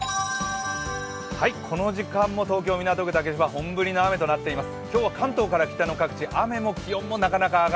この時間も東京・港区竹芝は本降りの雨となっています。